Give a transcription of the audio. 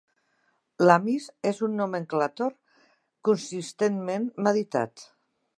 L"Amis és un nomenclàtor consistentment meditat.